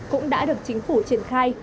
cũng đã được chính phủ triển khai